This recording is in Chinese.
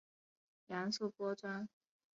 杨素颇专。